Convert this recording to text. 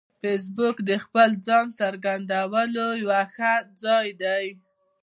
فېسبوک د خپل ځان څرګندولو یو ښه ځای دی